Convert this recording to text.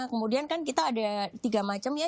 kemudian kan kita ada tiga macam ya